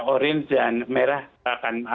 oranye dan merah akan